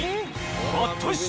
果たして。